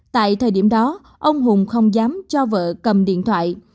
tại thời điểm đó ông hùng không dám cho vợ cầm điện thoại